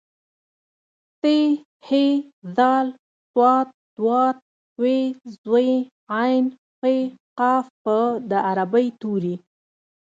ث ح ذ ص ض ط ظ ع ف ق په د عربۍ توري